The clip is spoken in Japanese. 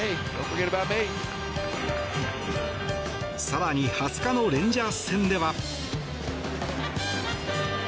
更に２０日のレンジャーズ戦では。